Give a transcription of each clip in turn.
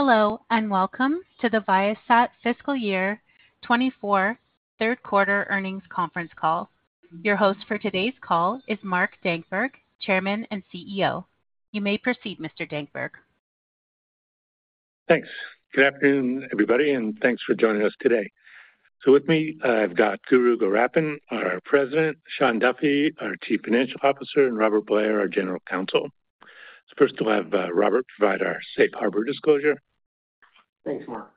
Hello, and welcome to the Viasat Fiscal Year 2024 third quarter earnings conference call. Your host for today's call is Mark Dankberg, Chairman and CEO. You may proceed, Mr. Dankberg. Thanks. Good afternoon, everybody, and thanks for joining us today. So with me, I've got Guru Gowrappan, our President, Shawn Duffy, our Chief Financial Officer, and Robert Blair, our General Counsel. First, I'll have Robert provide our safe harbor disclosure. Thanks, Mark.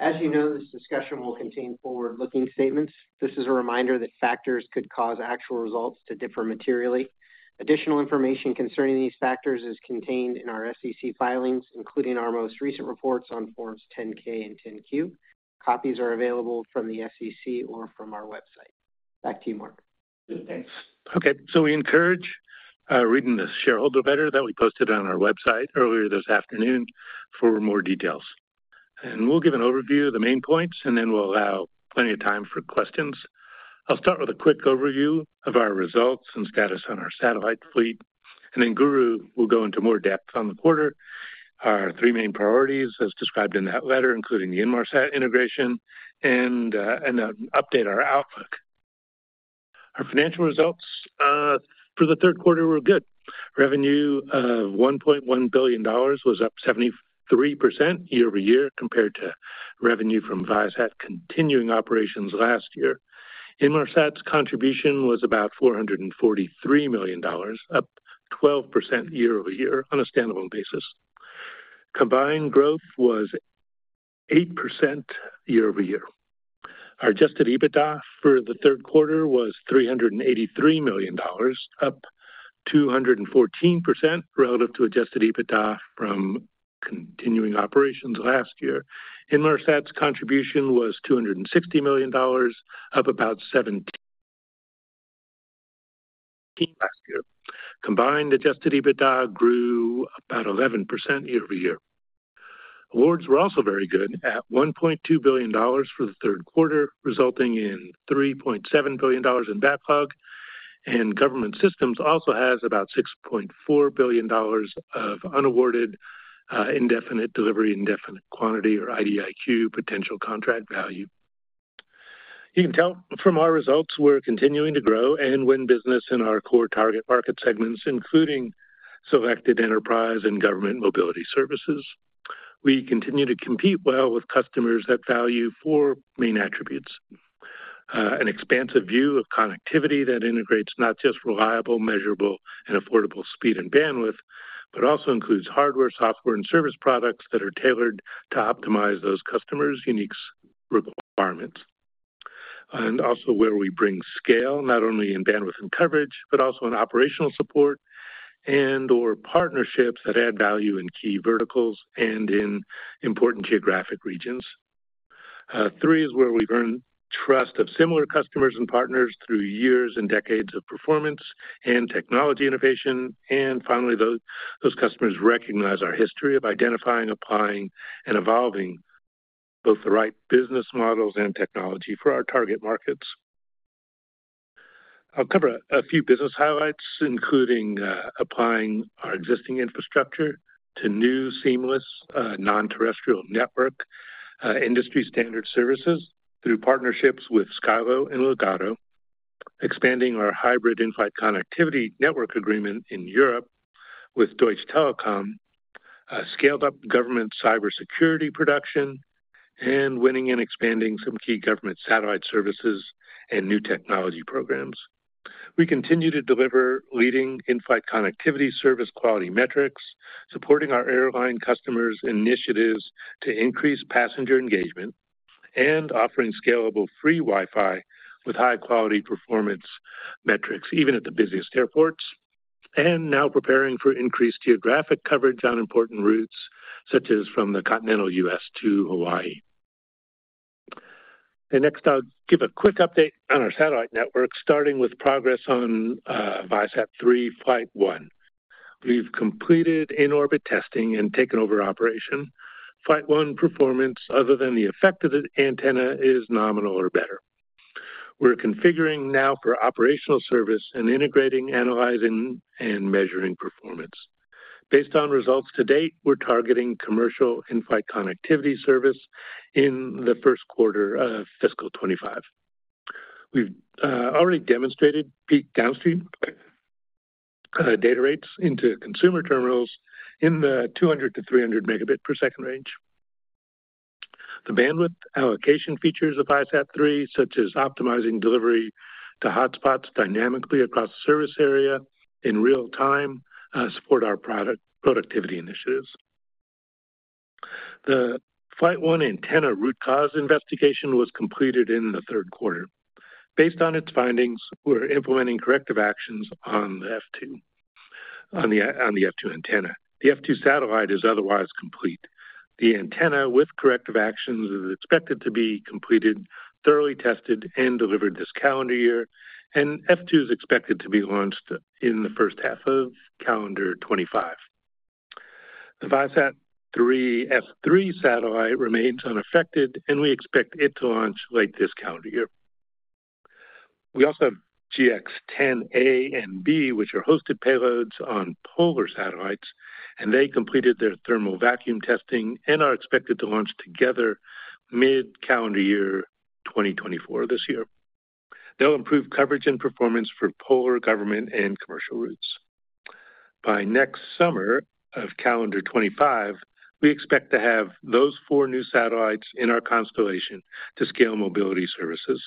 As you know, this discussion will contain forward-looking statements. This is a reminder that factors could cause actual results to differ materially. Additional information concerning these factors is contained in our SEC filings, including our most recent reports on Forms 10-K and 10-Q. Copies are available from the SEC or from our website. Back to you, Mark. Thanks. Okay, so we encourage reading the shareholder letter that we posted on our website earlier this afternoon for more details. We'll give an overview of the main points, and then we'll allow plenty of time for questions. I'll start with a quick overview of our results and status on our satellite fleet, and then Guru will go into more depth on the quarter. Our three main priorities, as described in that letter, including the Inmarsat integration and update our outlook. Our financial results for the third quarter were good. Revenue $1.1 billion was up 73% year-over-year compared to revenue from Viasat continuing operations last year. Inmarsat's contribution was about $443 million, up 12% year-over-year on a stand-alone basis. Combined growth was 8% year-over-year. Our adjusted EBITDA for the third quarter was $383 million, up 214% relative to adjusted EBITDA from continuing operations last year. Inmarsat's contribution was $260 million, up about 17 last year. Combined, adjusted EBITDA grew about 11% year over year. Awards were also very good at $1.2 billion for the third quarter, resulting in $3.7 billion in backlog, and Government Systems also has about $6.4 billion of unawarded, indefinite delivery, indefinite quantity or IDIQ potential contract value. You can tell from our results we're continuing to grow and win business in our core target market segments, including selected enterprise and government mobility services. We continue to compete well with customers that value four main attributes: an expansive view of connectivity that integrates not just reliable, measurable, and affordable speed and bandwidth, but also includes hardware, software, and service products that are tailored to optimize those customers' unique requirements. And also where we bring scale, not only in bandwidth and coverage, but also in operational support and/or partnerships that add value in key verticals and in important geographic regions. Three is where we've earned trust of similar customers and partners through years and decades of performance and technology innovation. And finally, those customers recognize our history of identifying, applying, and evolving both the right business models and technology for our target markets. I'll cover a few business highlights, including applying our existing infrastructure to new seamless non-terrestrial network industry-standard services through partnerships with Skylo and Ligado, expanding our hybrid in-flight connectivity network agreement in Europe with Deutsche Telekom, scaled-up government cybersecurity production, and winning and expanding some key government satellite services and new technology programs. We continue to deliver leading in-flight connectivity service quality metrics, supporting our airline customers' initiatives to increase passenger engagement and offering scalable free Wi-Fi with high-quality performance metrics, even at the busiest airports, and now preparing for increased geographic coverage on important routes, such as from the continental U.S. to Hawaii. Next, I'll give a quick update on our satellite network, starting with progress on ViaSat-3 Flight 1. We've completed in-orbit testing and taken over operation. Flight 1 performance, other than the effect of the antenna, is nominal or better. We're configuring now for operational service and integrating, analyzing, and measuring performance. Based on results to date, we're targeting commercial in-flight connectivity service in the first quarter of fiscal 2025. We've already demonstrated peak downstream data rates into consumer terminals in the 200-300 Mbps range. The bandwidth allocation features of ViaSat-3, such as optimizing delivery to hotspots dynamically across the service area in real time, support our productivity initiatives. The Flight 1 antenna root cause investigation was completed in the third quarter. Based on its findings, we're implementing corrective actions on the F2, on the F2 antenna. The F2 satellite is otherwise complete. The antenna with corrective actions is expected to be completed, thoroughly tested, and delivered this calendar year, and F2 is expected to be launched in the first half of calendar 2025. The ViaSat-3 F3 satellite remains unaffected, and we expect it to launch late this calendar year. We also have GX10 A and B, which are hosted payloads on polar satellites, and they completed their thermal vacuum testing and are expected to launch together mid-calendar year 2024, this year. They'll improve coverage and performance for polar government and commercial routes. By next summer of calendar 2025, we expect to have those four new satellites in our constellation to scale mobility services.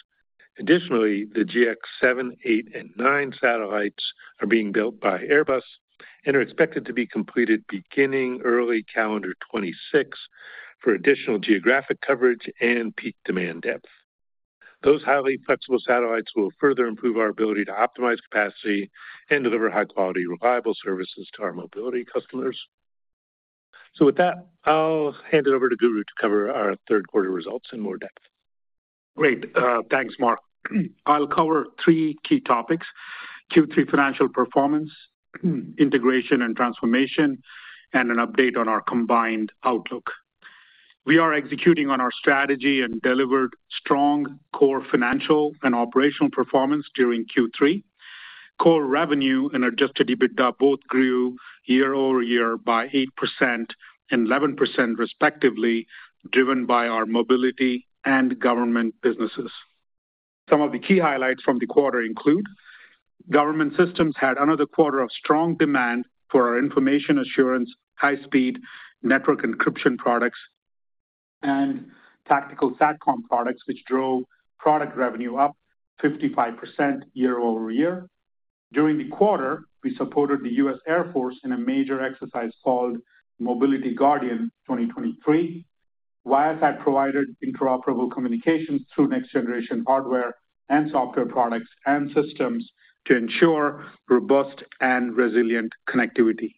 Additionally, the GX7, GX8, and GX9 satellites are being built by Airbus and are expected to be completed beginning early calendar 2026 for additional geographic coverage and peak demand depth. Those highly flexible satellites will further improve our ability to optimize capacity and deliver high-quality, reliable services to our mobility customers. So with that, I'll hand it over to Guru to cover our third quarter results in more depth. Great. Thanks, Mark. I'll cover 3 key topics: Q3 financial performance, integration and transformation, and an update on our combined outlook. We are executing on our strategy and delivered strong core financial and operational performance during Q3. Core revenue and adjusted EBITDA both grew year over year by 8% and 11%, respectively, driven by our mobility and government businesses. Some of the key highlights from the quarter include: Government Systems had another quarter of strong demand for our information assurance, high-speed network encryption products, and tactical Satcom products, which drove product revenue up 55% year over year. During the quarter, we supported the U.S. Air Force in a major exercise called Mobility Guardian 2023. Viasat provided interoperable communications through next-generation hardware and software products and systems to ensure robust and resilient connectivity.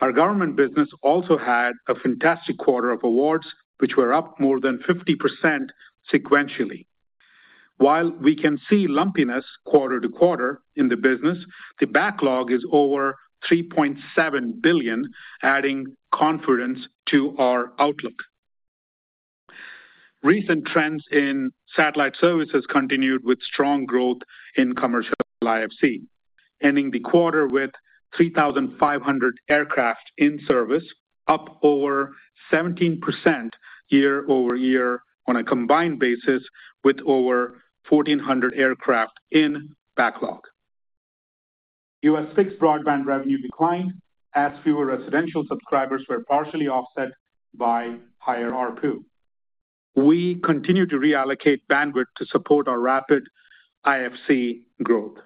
Our government business also had a fantastic quarter of awards, which were up more than 50% sequentially. While we can see lumpiness quarter-to-quarter in the business, the backlog is over $3.7 billion, adding confidence to our outlook. Recent trends in satellite services continued with strong growth in commercial IFC, ending the quarter with 3,500 aircraft in service, up over 17% year-over-year on a combined basis, with over 1,400 aircraft in backlog. U.S. fixed broadband revenue declined as fewer residential subscribers were partially offset by higher ARPU. We continue to reallocate bandwidth to support our rapid IFC growth.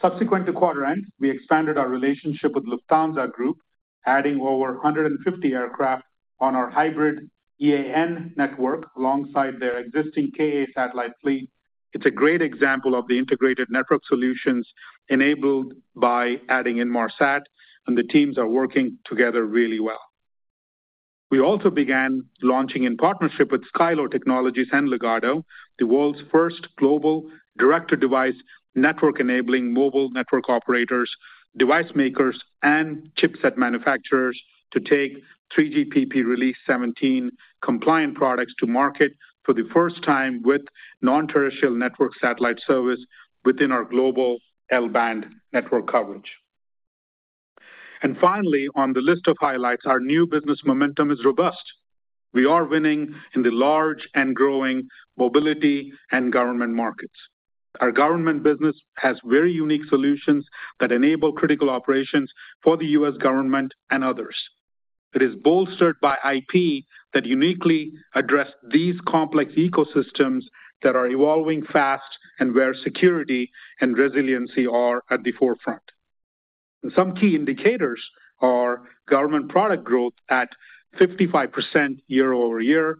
Subsequent to quarter end, we expanded our relationship with Lufthansa Group, adding over 150 aircraft on our hybrid EAN network alongside their existing KA satellite fleet. It's a great example of the integrated network solutions enabled by adding Inmarsat, and the teams are working together really well. We also began launching in partnership with Skylo Technologies and Ligado, the world's first global direct-to-device network, enabling mobile network operators, device makers, and chipset manufacturers to take 3GPP Release 17 compliant products to market for the first time with non-terrestrial network satellite service within our global L-band network coverage. And finally, on the list of highlights, our new business momentum is robust. We are winning in the large and growing mobility and government markets. Our government business has very unique solutions that enable critical operations for the U.S. government and others. It is bolstered by IP that uniquely address these complex ecosystems that are evolving fast and where security and resiliency are at the forefront. Some key indicators are government product growth at 55% year-over-year,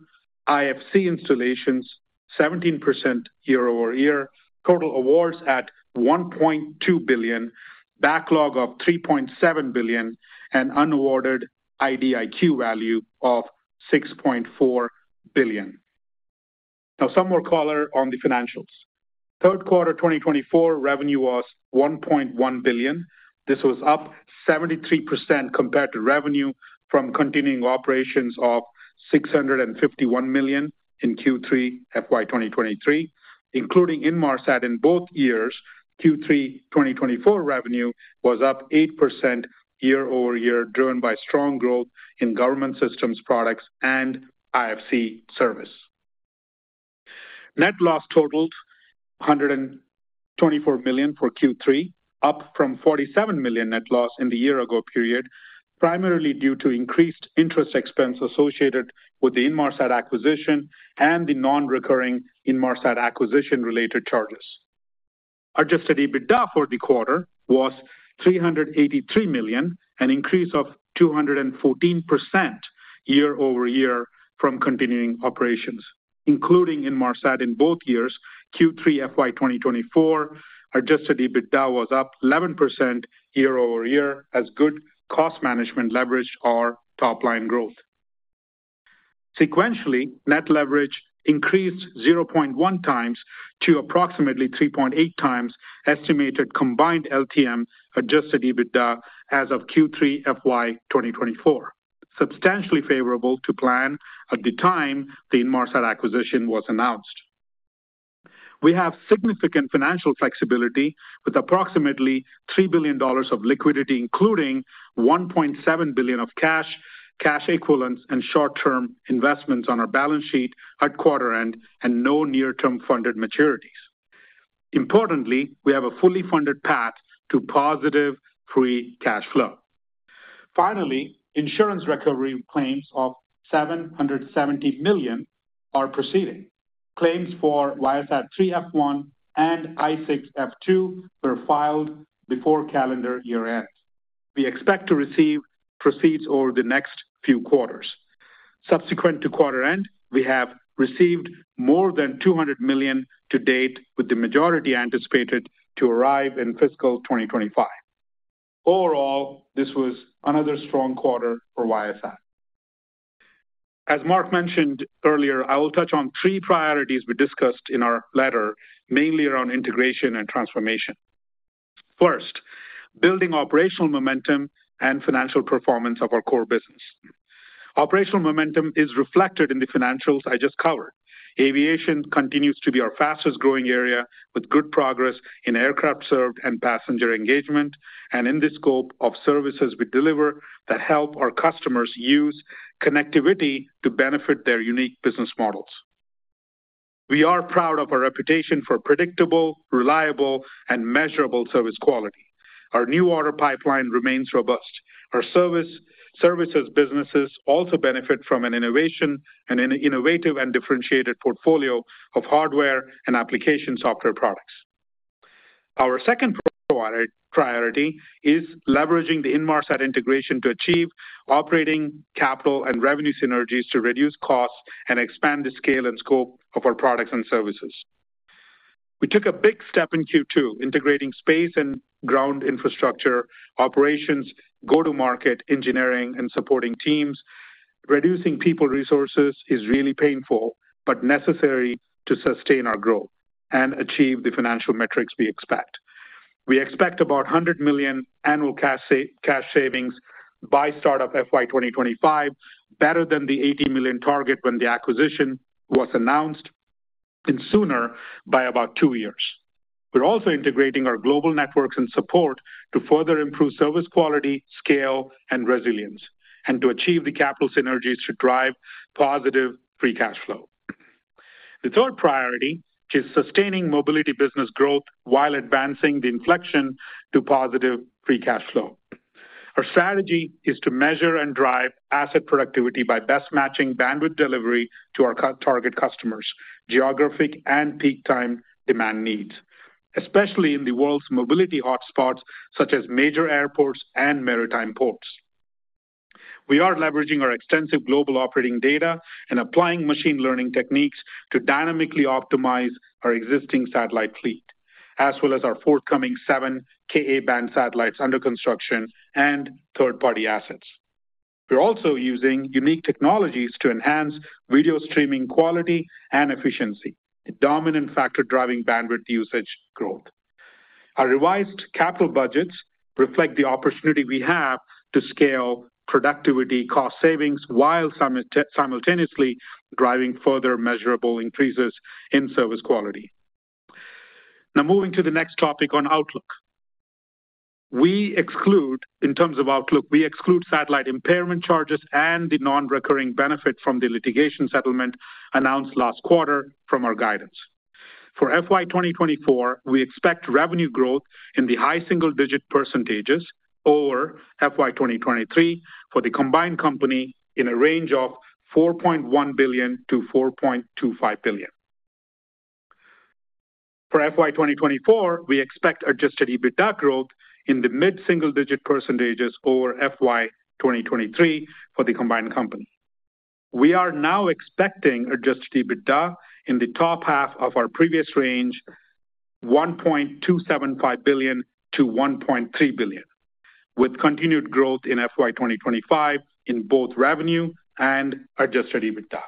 IFC installations 17% year-over-year, total awards at $1.2 billion, backlog of $3.7 billion, and unawarded IDIQ value of $6.4 billion. Now, some more color on the financials. Third quarter 2024 revenue was $1.1 billion. This was up 73% compared to revenue from continuing operations of $651 million in Q3 FY 2023. Including Inmarsat in both years, Q3 2024 revenue was up 8% year-over-year, driven by strong growth in Government Systems products and IFC service. Net loss totaled $124 million for Q3, up from $47 million net loss in the year ago period, primarily due to increased interest expense associated with the Inmarsat acquisition and the non-recurring Inmarsat acquisition-related charges. Adjusted EBITDA for the quarter was $383 million, an increase of 214% year-over-year from continuing operations. Including Inmarsat in both years, Q3 FY 2024 adjusted EBITDA was up 11% year-over-year, as good cost management leveraged our top-line growth. Sequentially, net leverage increased 0.1 times to approximately 3.8 times estimated combined LTM adjusted EBITDA as of Q3 FY 2024, substantially favorable to plan at the time the Inmarsat acquisition was announced. We have significant financial flexibility with approximately $3 billion of liquidity, including $1.7 billion of cash, cash equivalents, and short-term investments on our balance sheet at quarter end and no near-term funded maturities. Importantly, we have a fully funded path to positive free cash flow. Finally, insurance recovery claims of $770 million are proceeding. Claims for ViaSat-3 F1 and I-6 F2 were filed before calendar year-end. We expect to receive proceeds over the next few quarters. Subsequent to quarter end, we have received more than $200 million to date, with the majority anticipated to arrive in fiscal 2025. Overall, this was another strong quarter for Viasat. As Mark mentioned earlier, I will touch on three priorities we discussed in our letter, mainly around integration and transformation. First, building operational momentum and financial performance of our core business. Operational momentum is reflected in the financials I just covered. Aviation continues to be our fastest-growing area, with good progress in aircraft served and passenger engagement, and in the scope of services we deliver that help our customers use connectivity to benefit their unique business models. We are proud of our reputation for predictable, reliable, and measurable service quality. Our new order pipeline remains robust. Our services businesses also benefit from an innovation and an innovative and differentiated portfolio of hardware and application software products. Our second priority is leveraging the Inmarsat integration to achieve operating capital and revenue synergies to reduce costs and expand the scale and scope of our products and services. We took a big step in Q2, integrating space and ground infrastructure, operations, go-to-market, engineering, and supporting teams. Reducing people resources is really painful, but necessary to sustain our growth and achieve the financial metrics we expect. We expect about $100 million annual cash savings by start of FY 2025, better than the $80 million target when the acquisition was announced, and sooner by about two years. We're also integrating our global networks and support to further improve service quality, scale, and resilience, and to achieve the capital synergies to drive positive free cash flow. The third priority is sustaining mobility business growth while advancing the inflection to positive free cash flow. Our strategy is to measure and drive asset productivity by best matching bandwidth delivery to our target customers, geographic and peak time demand needs, especially in the world's mobility hotspots, such as major airports and maritime ports. We are leveraging our extensive global operating data and applying machine learning techniques to dynamically optimize our existing satellite fleet, as well as our forthcoming seven Ka-band satellites under construction and third-party assets. We're also using unique technologies to enhance video streaming quality and efficiency, a dominant factor driving bandwidth usage growth. Our revised capital budgets reflect the opportunity we have to scale productivity cost savings while simultaneously driving further measurable increases in service quality. Now moving to the next topic on outlook. We exclude, in terms of outlook, we exclude satellite impairment charges and the non-recurring benefit from the litigation settlement announced last quarter from our guidance. For FY 2024, we expect revenue growth in the high single-digit % over FY 2023 for the combined company in a range of $4.1 billion-$4.25 billion. For FY 2024, we expect adjusted EBITDA growth in the mid-single digit % over FY 2023 for the combined company. We are now expecting adjusted EBITDA in the top half of our previous range, $1.275 billion-$1.3 billion, with continued growth in FY 2025 in both revenue and adjusted EBITDA.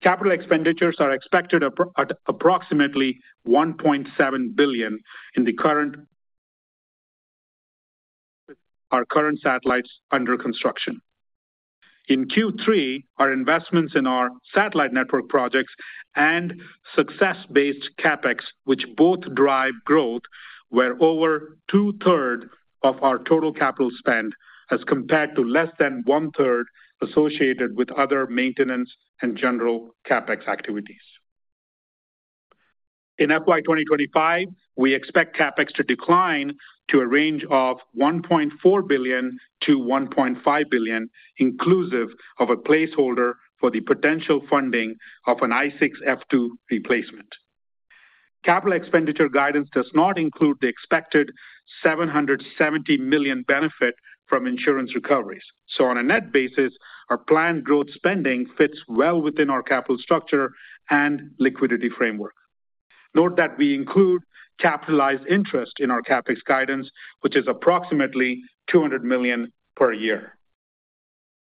Capital expenditures are expected at approximately $1.7 billion for our current satellites under construction. In Q3, our investments in our satellite network projects and success-based CapEx, which both drive growth, were over two-thirds of our total capital spend, as compared to less than one-third associated with other maintenance and general CapEx activities. In FY 2025, we expect CapEx to decline to a range of $1.4 billion-$1.5 billion, inclusive of a placeholder for the potential funding of an I-6 F2 replacement. Capital expenditure guidance does not include the expected $770 million benefit from insurance recoveries. So on a net basis, our planned growth spending fits well within our capital structure and liquidity framework. Note that we include capitalized interest in our CapEx guidance, which is approximately $200 million per year.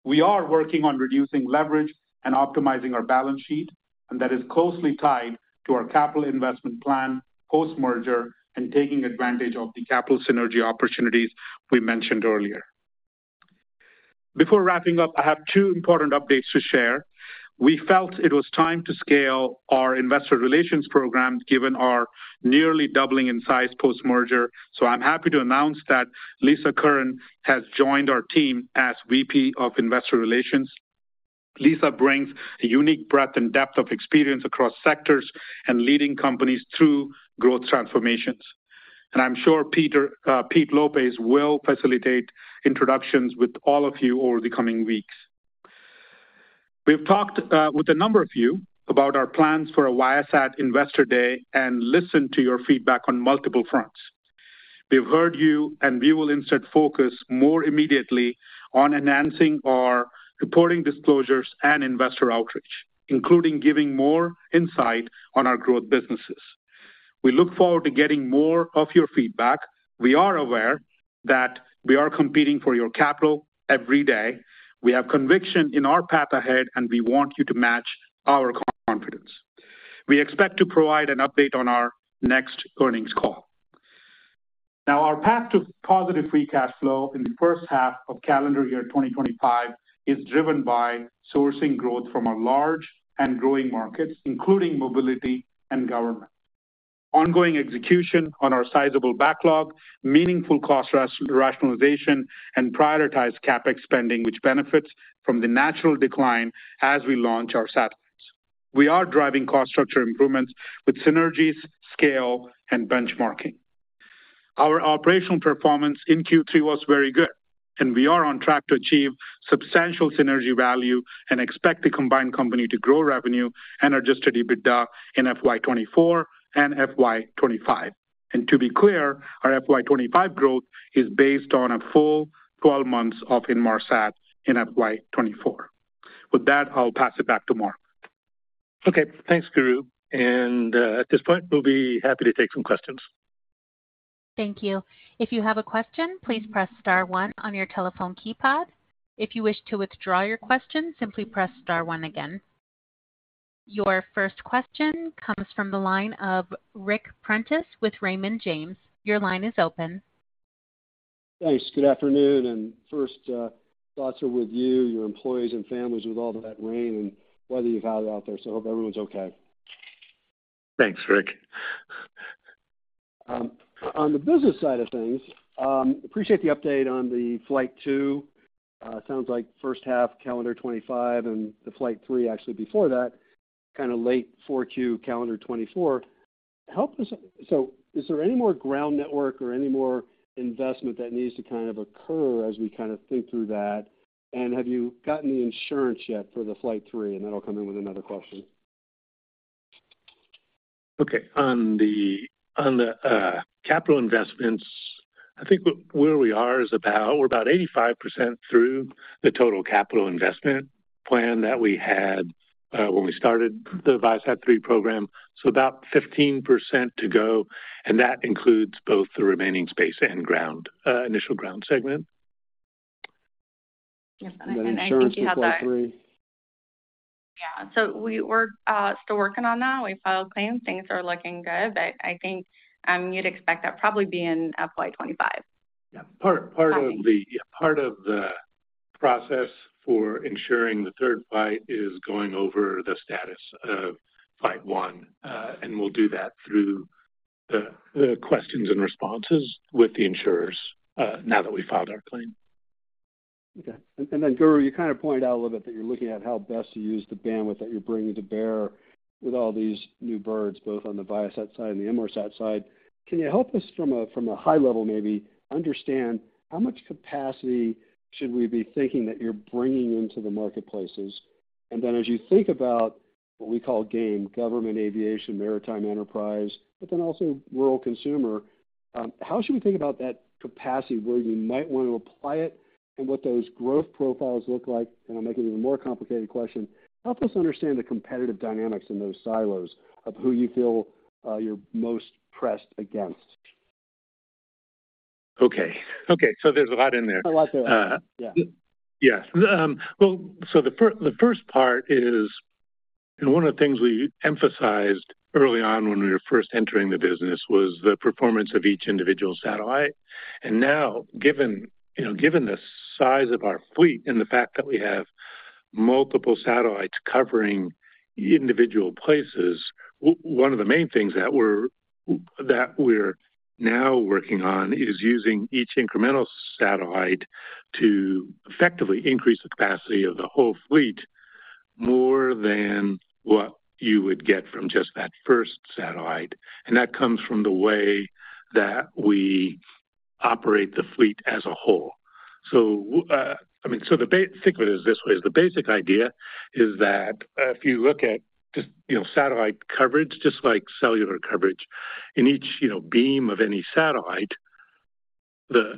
We are working on reducing leverage and optimizing our balance sheet, and that is closely tied to our capital investment plan post-merger and taking advantage of the capital synergy opportunities we mentioned earlier. Before wrapping up, I have two important updates to share. We felt it was time to scale our investor relations program, given our nearly doubling in size post-merger. So I'm happy to announce that Lisa Curran has joined our team as VP of Investor Relations. Lisa brings a unique breadth and depth of experience across sectors and leading companies through growth transformations, and I'm sure Pete Lopez will facilitate introductions with all of you over the coming weeks. We've talked with a number of you about our plans for a Viasat Investor Day and listened to your feedback on multiple fronts. We've heard you, and we will instead focus more immediately on enhancing our reporting disclosures and investor outreach, including giving more insight on our growth businesses. We look forward to getting more of your feedback. We are aware that we are competing for your capital every day. We have conviction in our path ahead, and we want you to match our confidence. We expect to provide an update on our next earnings call. Now, our path to positive free cash flow in the first half of calendar year 2025 is driven by sourcing growth from our large and growing markets, including mobility and government. Ongoing execution on our sizable backlog, meaningful cost rationalization, and prioritized CapEx spending, which benefits from the natural decline as we launch our satellites. We are driving cost structure improvements with synergies, scale, and benchmarking. Our operational performance in Q3 was very good, and we are on track to achieve substantial synergy value and expect the combined company to grow revenue and adjusted EBITDA in FY 2024 and FY 2025. To be clear, our FY 2025 growth is based on a full 12 months of Inmarsat in FY 2024. With that, I'll pass it back to Mark. Okay, thanks, Guru, and at this point, we'll be happy to take some questions. Thank you. If you have a question, please press star one on your telephone keypad. If you wish to withdraw your question, simply press star one again. Your first question comes from the line of Ric Prentiss with Raymond James. Your line is open. Thanks. Good afternoon, and first, thoughts are with you, your employees and families, with all of that rain and weather you've had out there. So I hope everyone's okay. Thanks, Rick. On the business side of things, appreciate the update on the flight two. Sounds like first half calendar 2025 and the flight three actually before that, kind of late 4Q calendar 2024. So is there any more ground network or any more investment that needs to kind of occur as we kind of think through that? And have you gotten the insurance yet for the flight three? And then I'll come in with another question. Okay, on the capital investments, I think where we are is about, we're about 85% through the total capital investment plan that we had when we started the Viasat-3 program. So about 15% to go, and that includes both the remaining space and ground, initial ground segment. Yes, and I think you have that- The insurance for Flight 3. Yeah. So we're still working on that. We filed claims. Things are looking good, but I think you'd expect that probably be in FY 25. Yeah. Part of the- Yeah. Part of the process for ensuring the third flight is going over the status of flight one. And we'll do that through the questions and responses with the insurers, now that we've filed our claim. Okay. And then, Guru, you kind of pointed out a little bit that you're looking at how best to use the bandwidth that you're bringing to bear with all these new birds, both on the Viasat side and the Inmarsat side. Can you help us from a high level, maybe understand how much capacity should we be thinking that you're bringing into the marketplaces? And then as you think about what we call GAME, Government Aviation, Maritime Enterprise, but then also rural consumer, how should we think about that capacity, where you might want to apply it, and what those growth profiles look like? And I'll make it an even more complicated question, help us understand the competitive dynamics in those silos of who you feel you're most pressed against. Okay. Okay, so there's a lot in there. A lot there. Uh- Yeah. Yes. Well, so the first part is, and one of the things we emphasized early on when we were first entering the business, was the performance of each individual satellite. And now, you know, given the size of our fleet and the fact that we have multiple satellites covering individual places, one of the main things that we're now working on is using each incremental satellite to effectively increase the capacity of the whole fleet more than what you would get from just that first satellite. And that comes from the way that we operate the fleet as a whole. So, I mean, so think of it as this way. The basic idea is that, if you look at just, you know, satellite coverage, just like cellular coverage, in each, you know, beam of any satellite, there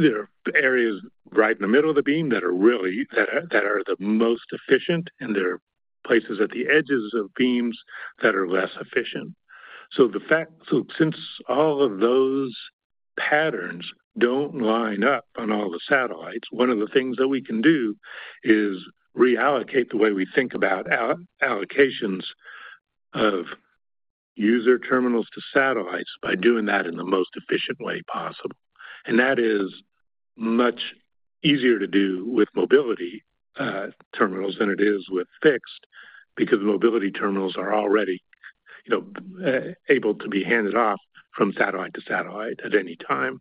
are areas right in the middle of the beam that are really the most efficient, and there are places at the edges of beams that are less efficient. So since all of those patterns don't line up on all the satellites, one of the things that we can do is reallocate the way we think about allocations of user terminals to satellites by doing that in the most efficient way possible. And that is much easier to do with mobility terminals than it is with fixed, because mobility terminals are already, you know, able to be handed off from satellite to satellite at any time.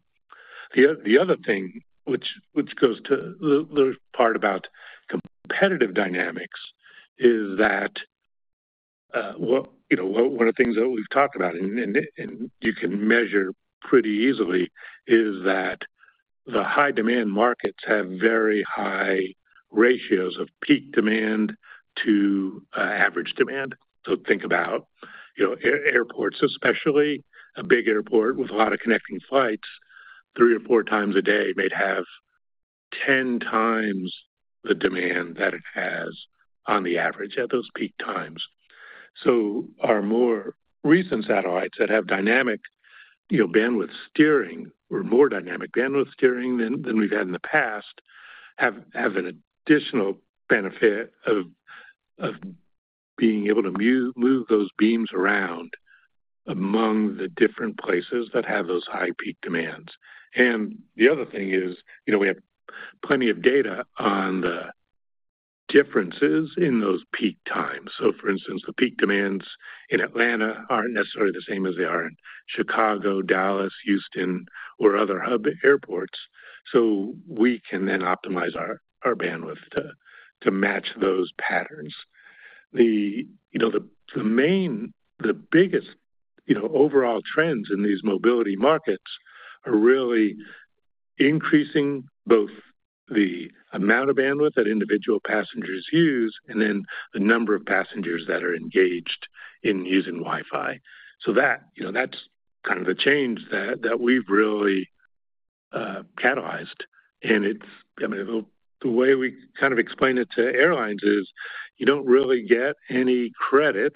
The other thing which goes to the part about competitive dynamics is that, well, you know, one of the things that we've talked about and you can measure pretty easily is that the high demand markets have very high ratios of peak demand to average demand. So think about, you know, airports, especially a big airport with a lot of connecting flights three or four times a day, might have ten times the demand that it has on the average at those peak times. So our more recent satellites that have dynamic, you know, bandwidth steering or more dynamic bandwidth steering than we've had in the past have an additional benefit of being able to move those beams around among the different places that have those high peak demands. The other thing is, you know, we have plenty of data on the differences in those peak times. So for instance, the peak demands in Atlanta aren't necessarily the same as they are in Chicago, Dallas, Houston, or other hub airports. So we can then optimize our bandwidth to match those patterns. You know, the main, the biggest overall trends in these mobility markets are really increasing both the amount of bandwidth that individual passengers use and then the number of passengers that are engaged in using Wi-Fi. So that, you know, that's kind of the change that we've really catalyzed. It's, I mean, the way we kind of explain it to airlines is you don't really get any credit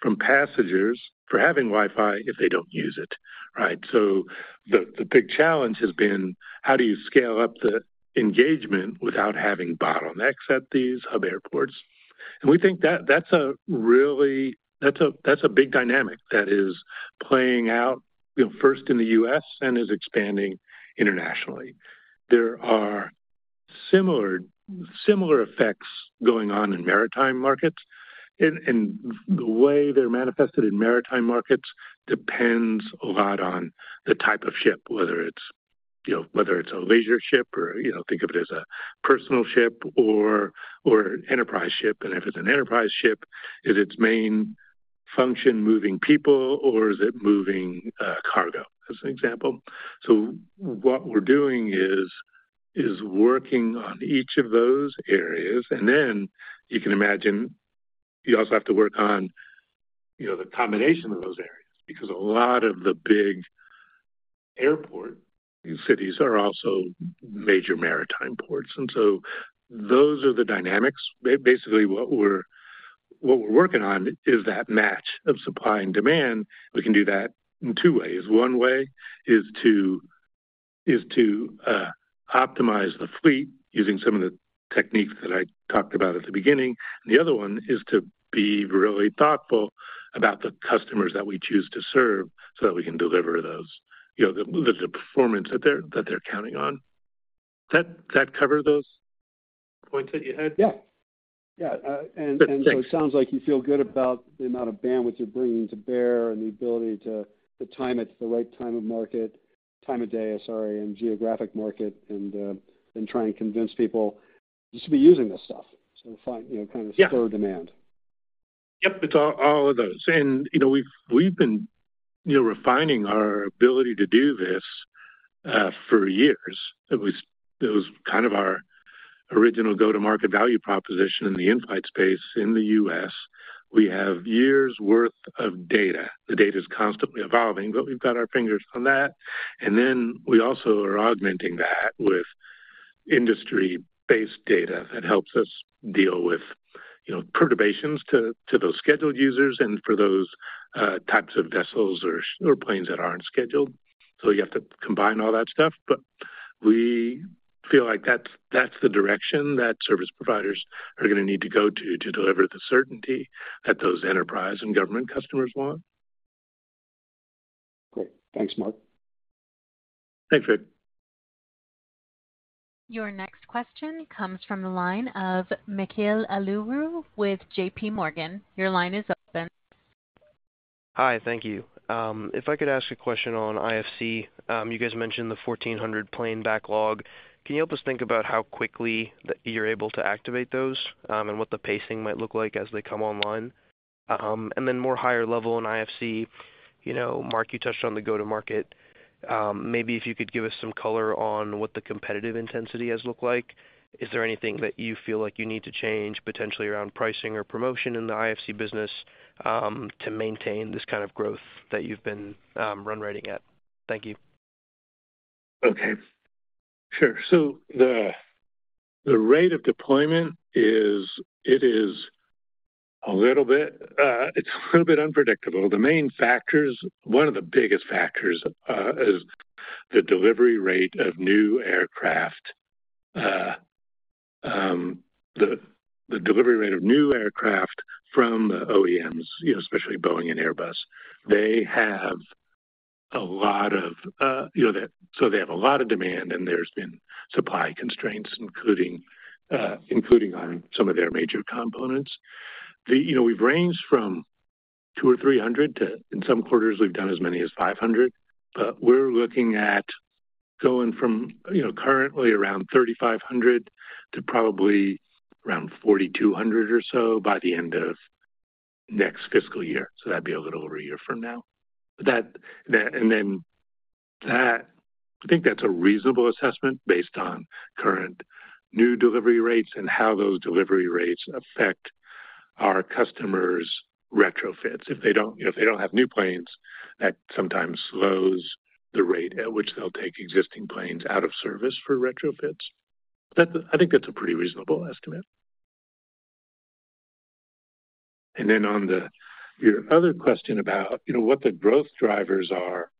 from passengers for having Wi-Fi if they don't use it, right? So the big challenge has been, how do you scale up the engagement without having bottlenecks at these hub airports? And we think that that's a really, that's a big dynamic that is playing out, you know, first in the U.S. and is expanding internationally. There are similar effects going on in maritime markets, and the way they're manifested in maritime markets depends a lot on the type of ship, whether it's, you know, whether it's a leisure ship or, you know, think of it as a personal ship or an enterprise ship. And if it's an enterprise ship, is its main function moving people or is it moving cargo? As an example. So what we're doing is working on each of those areas, and then you can imagine you also have to work on, you know, the combination of those areas, because a lot of the big airport cities are also major maritime ports, and so those are the dynamics. Basically, what we're working on is that match of supply and demand. We can do that in two ways. One way is to optimize the fleet using some of the techniques that I talked about at the beginning. The other one is to be really thoughtful about the customers that we choose to serve so that we can deliver those, you know, the performance that they're counting on. Does that cover those points that you had? Yeah. Yeah, Good, thanks. And so it sounds like you feel good about the amount of bandwidth you're bringing to bear and the ability to, to time it to the right time of market, time of day, sorry, and geographic market, and and trying to convince people, "You should be using this stuff." So find, you know, kind of- Yeah -spur demand. Yep, it's all, all of those. And, you know, we've, we've been, you know, refining our ability to do this for years. It was, it was kind of our original go-to-market value proposition in the in-flight space in the U.S. We have years' worth of data. The data is constantly evolving, but we've got our fingers on that. And then we also are augmenting that with industry-based data that helps us deal with, you know, perturbations to, to those scheduled users and for those types of vessels or ships or planes that aren't scheduled. So you have to combine all that stuff, but we feel like that's, that's the direction that service providers are going to need to go to, to deliver the certainty that those enterprise and government customers want. Great. Thanks, Mark. Thanks, Rick. Your next question comes from the line of Nikhil Aluru with J.P Morgan. Your line is open. Hi, thank you. If I could ask a question on IFC. You guys mentioned the 1,400 plane backlog. Can you help us think about how quickly that you're able to activate those, and what the pacing might look like as they come online? And then more higher level in IFC, you know, Mark, you touched on the go-to-market. Maybe if you could give us some color on what the competitive intensity has looked like. Is there anything that you feel like you need to change, potentially around pricing or promotion in the IFC business, to maintain this kind of growth that you've been run rating at? Thank you. Okay, sure. So the rate of deployment is a little bit unpredictable. The main factors, one of the biggest factors, is the delivery rate of new aircraft. The delivery rate of new aircraft from the OEMs, you know, especially Boeing and Airbus, they have a lot of, you know, so they have a lot of demand, and there's been supply constraints, including on some of their major components. You know, we've ranged from 200 or 300 to, in some quarters, we've done as many as 500, but we're looking at going from, you know, currently around 3,500 to probably around 4,200 or so by the end of next fiscal year. So that'd be a little over a year from now. But that, that, and then that, I think that's a reasonable assessment based on current new delivery rates and how those delivery rates affect our customers' retrofits. If they don't, you know, if they don't have new planes, that sometimes slows the rate at which they'll take existing planes out of service for retrofits. But I think that's a pretty reasonable estimate. And then on the, your other question about, you know, what the growth drivers are,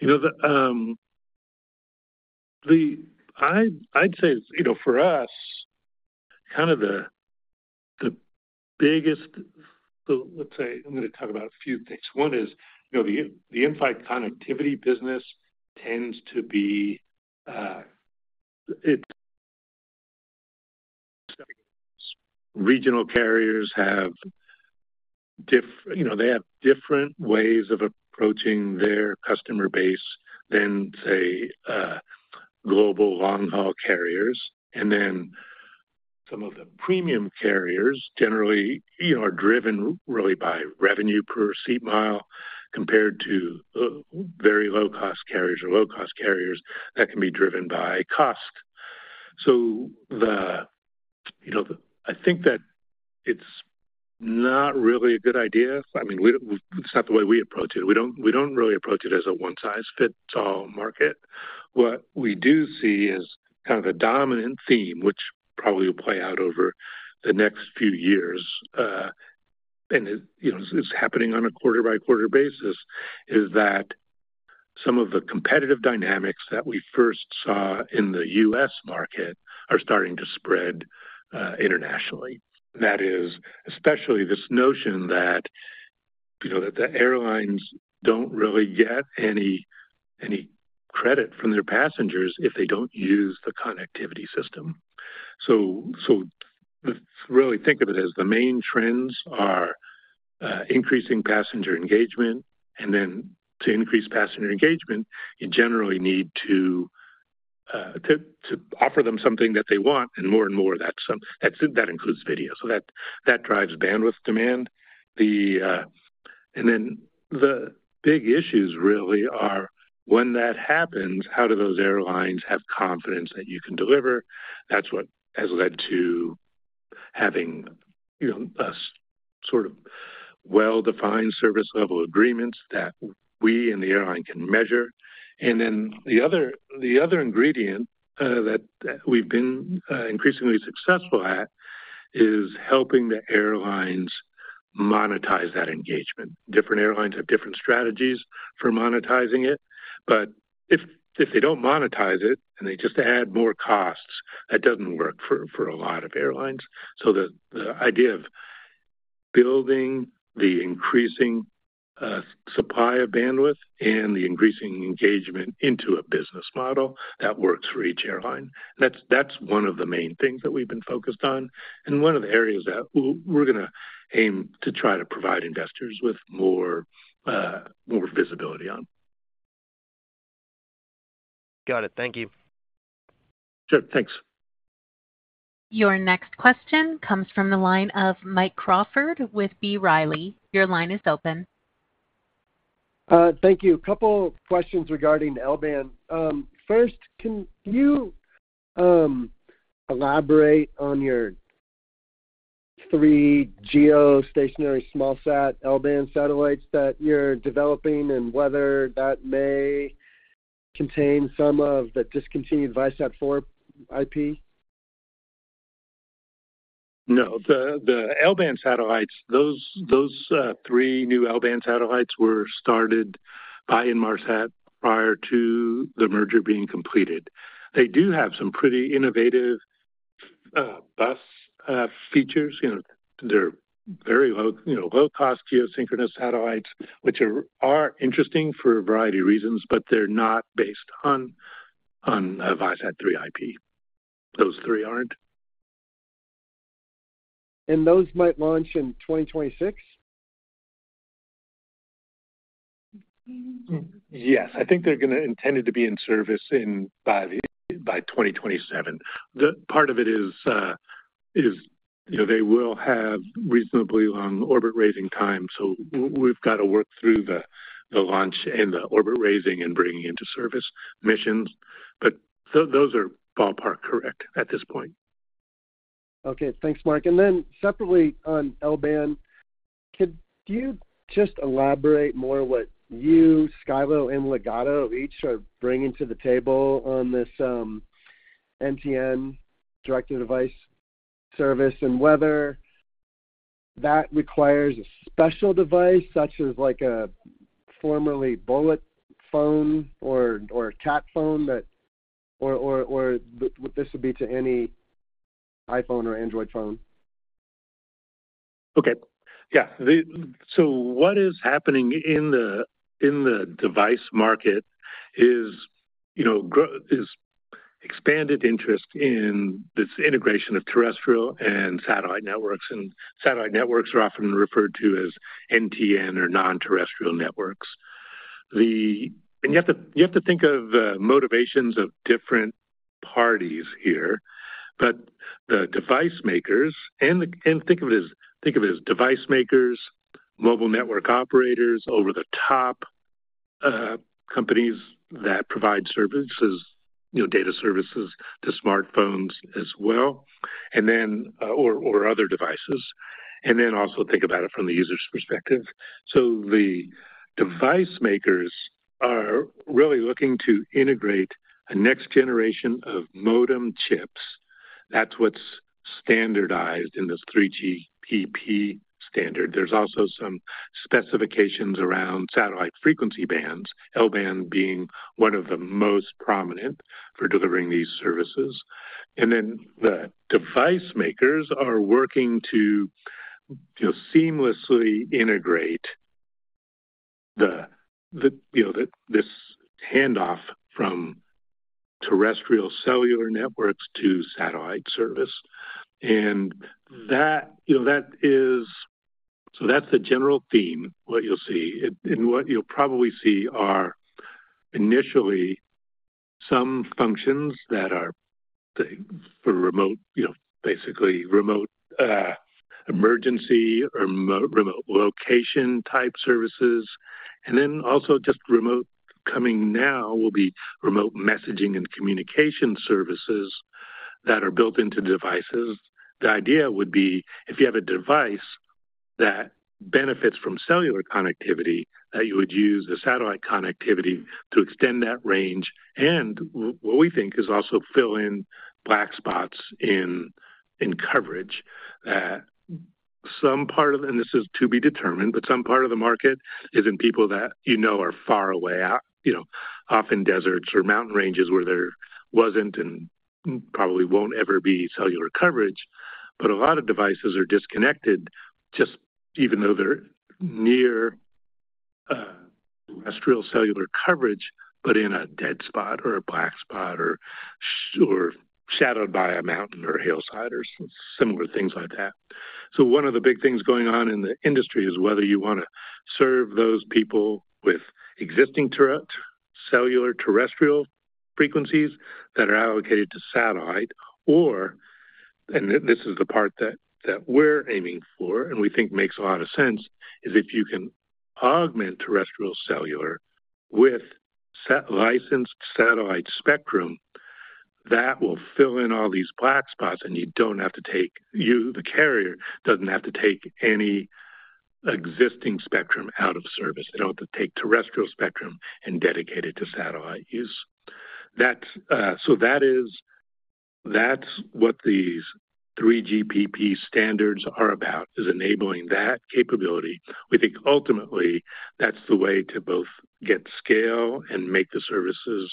you know, the, the... I'd say, you know, for us, kind of the, the biggest, so let's say I'm gonna talk about a few things. One is, you know, the, the in-flight connectivity business tends to be, regional carriers have different ways of approaching their customer base than, say, global long-haul carriers. And then some of the premium carriers generally, you know, are driven really by revenue per seat mile, compared to, very low-cost carriers or low-cost carriers that can be driven by cost. So, you know, I think that it's not really a good idea. I mean, we, it's not the way we approach it. We don't, we don't really approach it as a one-size-fits-all market. What we do see is kind of a dominant theme, which probably will play out over the next few years, and it, you know, it's happening on a quarter-by-quarter basis, is that some of the competitive dynamics that we first saw in the U.S. market are starting to spread, internationally. That is, especially this notion that, you know, that the airlines don't really get any, any credit from their passengers if they don't use the connectivity system. So, so let's really think of it as the main trends are, increasing passenger engagement, and then to increase passenger engagement, you generally need to offer them something that they want, and more and more that's that includes video. So that drives bandwidth demand. And then the big issues really are when that happens, how do those airlines have confidence that you can deliver? That's what has led to having, you know, a sort of well-defined service level agreements that we and the airline can measure. And then the other ingredient that we've been increasingly successful at is helping the airlines monetize that engagement. Different airlines have different strategies for monetizing it, but if they don't monetize it and they just add more costs, that doesn't work for a lot of airlines. The idea of building the increasing supply of bandwidth and the increasing engagement into a business model that works for each airline, that's one of the main things that we've been focused on, and one of the areas that we're gonna aim to try to provide investors with more visibility on. Got it. Thank you. Sure. Thanks. Your next question comes from the line of Mike Crawford with B. Riley. Your line is open. Thank you. A couple questions regarding L-band. First, can you elaborate on your three geostationary small sat L-band satellites that you're developing and whether that may contain some of the discontinued ViaSat-4 IP? No, the L-band satellites, those three new L-band satellites were started by Inmarsat prior to the merger being completed. They do have some pretty innovative bus features. You know, they're very low, you know, low-cost geosynchronous satellites, which are interesting for a variety of reasons, but they're not based on ViaSat-3 IP. Those three aren't. Those might launch in 2026? Yes, I think they're gonna intended to be in service in by the, by 2027. The part of it is, you know, they will have reasonably long orbit raising time, so we've got to work through the launch and the orbit raising and bringing into service missions. But those are ballpark correct at this point. Okay, thanks, Mark. And then separately, on L-band. Could you just elaborate more what you, Skylo, and Ligado each are bringing to the table on this NTN direct-to-device service? And whether that requires a special device, such as like a Bullitt phone or a Cat phone, or this would be to any iPhone or Android phone. Okay. Yeah. So what is happening in the device market is, you know, expanded interest in this integration of terrestrial and satellite networks, and satellite networks are often referred to as NTN or non-terrestrial networks. And you have to think of motivations of different parties here, but the device makers and think of it as device makers, mobile network operators, over the top companies that provide services, you know, data services to smartphones as well, and then or other devices, and then also think about it from the user's perspective. So the device makers are really looking to integrate a next generation of modem chips. That's what's standardized in this 3GPP standard. There's also some specifications around satellite frequency bands, L-band being one of the most prominent for delivering these services. And then, the device makers are working to seamlessly integrate the, you know, this handoff from terrestrial cellular networks to satellite service. And that, you know, that is, so that's the general theme, what you'll see. And what you'll probably see are initially some functions that are for remote, you know, basically remote, emergency or remote location type services, and then also just remote. Coming now will be remote messaging and communication services that are built into devices. The idea would be if you have a device that benefits from cellular connectivity, that you would use the satellite connectivity to extend that range. What we think is also fill in black spots in coverage, some part of, and this is to be determined, but some part of the market is in people that you know are far away out, you know, off in deserts or mountain ranges where there wasn't, and probably won't ever be cellular coverage. But a lot of devices are disconnected, just even though they're near terrestrial cellular coverage, but in a dead spot or a black spot, or shadowed by a mountain or hillside or similar things like that. So one of the big things going on in the industry is whether you wanna serve those people with existing terrestrial cellular terrestrial frequencies that are allocated to satellite, or, and this is the part that, that we're aiming for and we think makes a lot of sense, is if you can augment terrestrial cellular with sat licensed satellite spectrum, that will fill in all these black spots, and you don't have to take, you, the carrier, doesn't have to take any existing spectrum out of service. They don't have to take terrestrial spectrum and dedicate it to satellite use. That's, so that is, that's what these 3GPP standards are about, is enabling that capability. We think ultimately that's the way to both get scale and make the services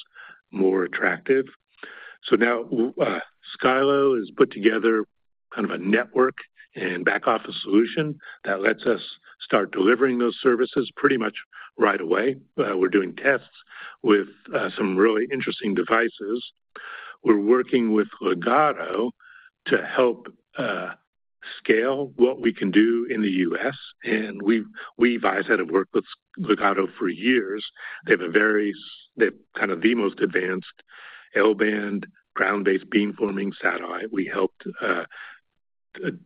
more attractive. So now, Skylo has put together kind of a network and back office solution that lets us start delivering those services pretty much right away. We're doing tests with some really interesting devices. We're working with Ligado to help scale what we can do in the U.S., and we've advised how to work with Ligado for years. They have a very, they're kind of the most advanced L-band ground-based beam forming satellite. We helped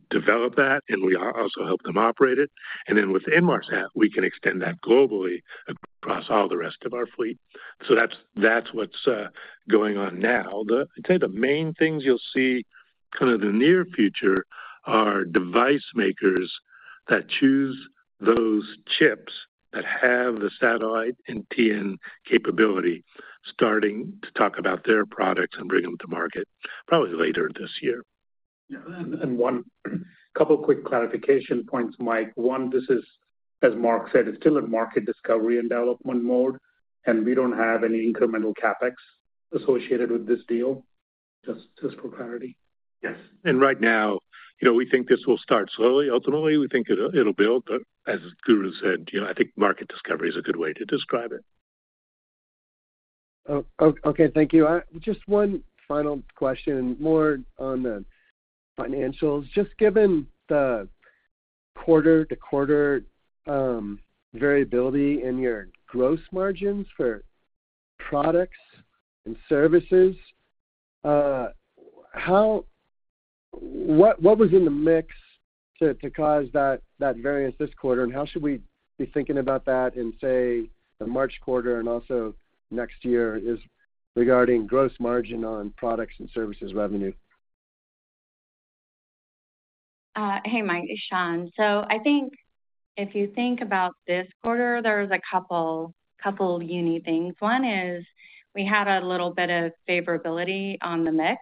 develop that, and we are also helped them operate it. And then with Inmarsat, we can extend that globally across all the rest of our fleet. So that's what's going on now. I'd say the main things you'll see kind of the near future are device makers that choose those chips, that have the satellite NTN capability, starting to talk about their products and bring them to market, probably later this year. Yeah, and a couple quick clarification points, Mike. One, this is, as Mark said, it's still in market discovery and development mode, and we don't have any incremental CapEx associated with this deal. Just for clarity. Yes. And right now, you know, we think this will start slowly. Ultimately, we think it, it'll build, but as Guru said, you know, I think market discovery is a good way to describe it. Okay. Thank you. Just one final question, more on the financials. Just given the quarter-to-quarter variability in your gross margins for products and services, how... What, what was in the mix to, to cause that, that variance this quarter, and how should we be thinking about that in, say, the March quarter and also next year is regarding gross margin on products and services revenue?... Hey, Mike, it's Shawn. So I think if you think about this quarter, there's a couple of unique things. One is we had a little bit of favorability on the mix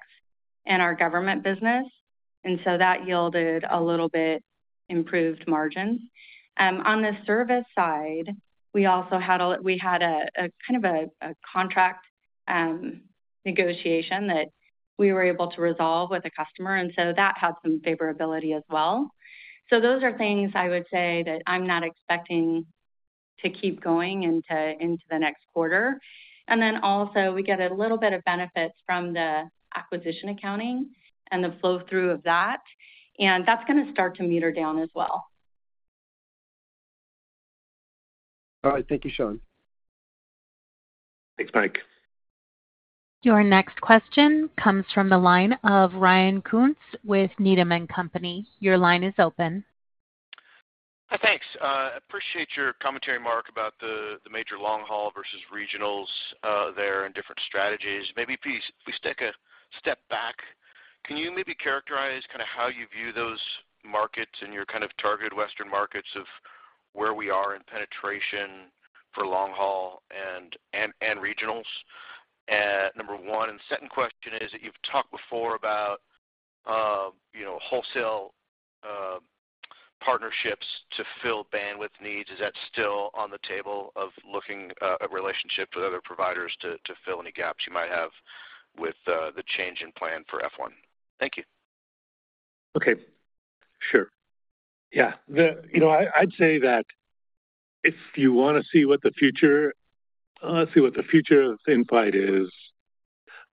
in our government business, and so that yielded a little bit improved margins. On the service side, we also had a kind of a contract negotiation that we were able to resolve with a customer, and so that had some favorability as well. So those are things I would say that I'm not expecting to keep going into the next quarter. And then also, we get a little bit of benefits from the acquisition accounting and the flow-through of that, and that's gonna start to meter down as well. All right, thank you, Shawn. Thanks, Mike. Your next question comes from the line of Ryan Koontz with Needham and Company. Your line is open. Hi, thanks. Appreciate your commentary, Mark, about the major long haul versus regionals there and different strategies. Maybe if you, if we take a step back, can you maybe characterize kind of how you view those markets and your kind of target Western markets of where we are in penetration for long haul and regionals? Number one, and second question is that you've talked before about, you know, wholesale partnerships to fill bandwidth needs. Is that still on the table of looking a relationship with other providers to fill any gaps you might have with the change in plan for F1? Thank you. Okay, sure. Yeah. You know, I, I'd say that if you wanna see what the future in-flight is,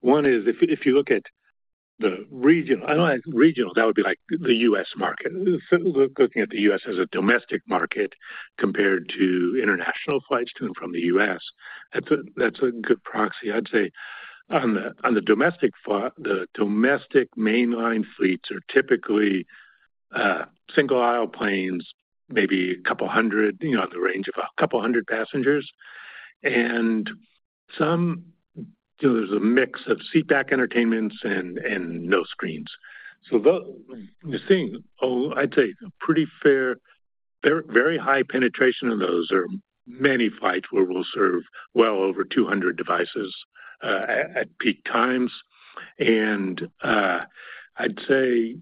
one is, if you look at the regional, I like regional, that would be like the U.S. market. So looking at the U.S. as a domestic market compared to international flights to and from the U.S., that's a good proxy. I'd say on the domestic fla-- the domestic mainline fleets are typically single-aisle planes, maybe 200, you know, in the range of 200 passengers. And some, you know, there's a mix of seat back entertainments and no screens. So, I'd say pretty fair, very, very high penetration in those are many flights where we'll serve well over 200 devices at peak times. I'd say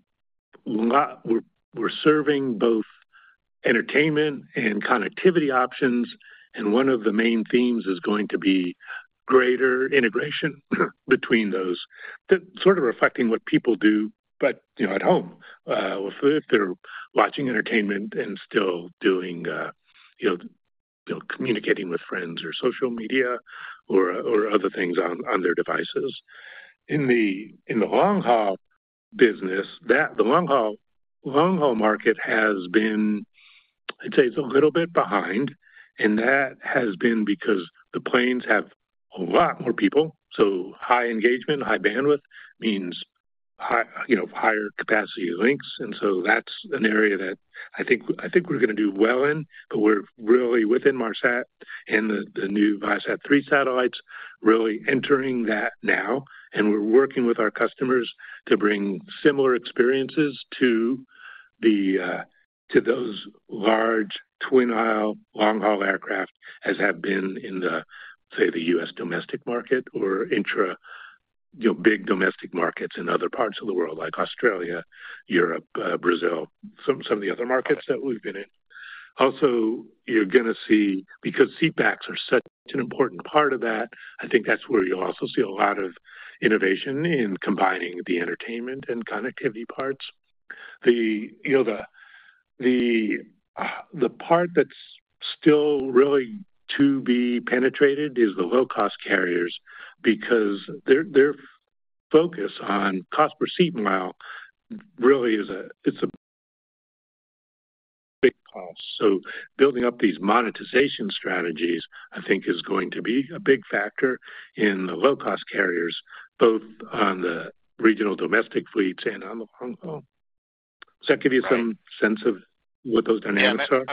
we're serving both entertainment and connectivity options, and one of the main themes is going to be greater integration between those. That sort of reflecting what people do, but you know, at home, if they're watching entertainment and still doing you know, communicating with friends or social media or other things on their devices. In the long haul business, the long haul market has been, I'd say, it's a little bit behind, and that has been because the planes have a lot more people. So high engagement, high bandwidth means high you know, higher capacity links, and so that's an area that I think we're gonna do well in. But we're really within Viasat and the new Viasat-3 satellites, really entering that now, and we're working with our customers to bring similar experiences to the to those large twin-aisle, long-haul aircraft, as have been in the, say, the U.S. domestic market or intra, you know, big domestic markets in other parts of the world, like Australia, Europe, Brazil, some of the other markets that we've been in. Also, you're gonna see, because seat backs are such an important part of that, I think that's where you'll also see a lot of innovation in combining the entertainment and connectivity parts. The, you know, the part that's still really to be penetrated is the low-cost carriers, because their focus on cost per seat mile really is a, it's a big cost. Building up these monetization strategies, I think, is going to be a big factor in the low-cost carriers, both on the regional domestic fleets and on the long haul. Right. Does that give you some sense of what those dynamics are?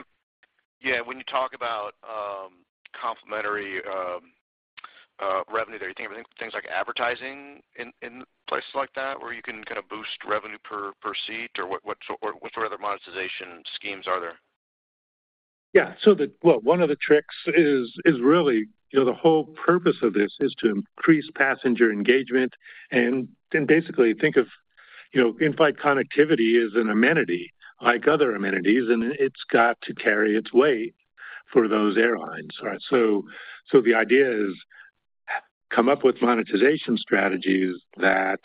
Yeah, when you talk about complementary revenue there, you think of things like advertising in places like that, where you can kind of boost revenue per seat, or what other monetization schemes are there? Yeah. So, well, one of the tricks is really, you know, the whole purpose of this is to increase passenger engagement and then basically think of, you know, in-flight connectivity as an amenity like other amenities, and it's got to carry its weight for those airlines, right? So the idea is, come up with monetization strategies that